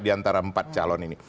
diantara empat calon ini